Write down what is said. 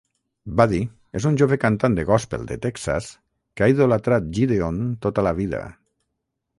Buddy és un jove cantant de gòspel de Texas que ha idolatrat Gideon tota la vida.